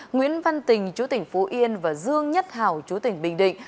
nguyễn văn tình chú tỉnh phú yên và dương nhất hảo chú tỉnh bình định